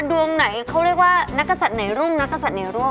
ดวงไหนเขาเรียกว่านักกษัตริย์ไหนรุ่งนักศัตริย์ไหนร่วม